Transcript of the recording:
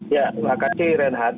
ya terima kasih renat